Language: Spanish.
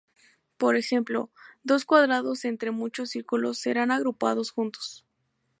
Por ejemplo, dos cuadrados entre muchos círculos serán agrupados juntos.